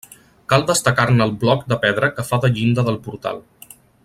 Cal destacar-ne el bloc de pedra que fa de llinda del portal.